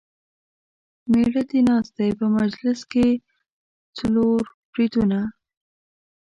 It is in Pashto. مېړه دې ناست دی په مجلس کې څور بریتونه.